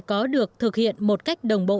có được thực hiện một cách đồng bộ